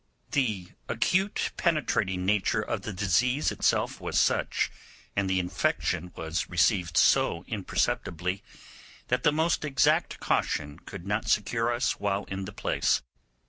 The acute penetrating nature of the disease itself was such, and the infection was received so imperceptibly, that the most exact caution could not secure us while in the place.